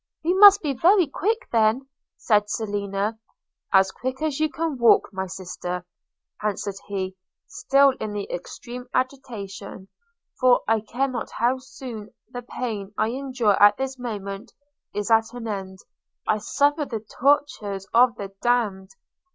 – 'We must be very quick then,' said Selina. – 'As quick as you can walk, my sister,' answered he, still in extreme agitation: 'for I care not how soon the pain I endure at this moment is at an end – I suffer the tortures of the damned!'